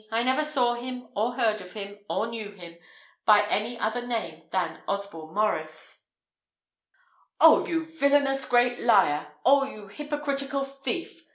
I never saw him, or heard of him, or knew him, by any other name than Osborne Maurice." "Oh, you villanous great liar! Oh, you hypocritical thief!"